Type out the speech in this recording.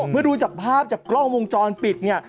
เมื่อดูจากภาพจากกล้องวงจรปิดเนี่ย